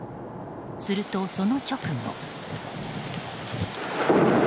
すると、その直後。